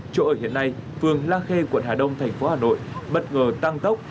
chỗ ở hiện nay phường la khê quận hà đông thành phố hà nội bất ngờ tăng tốc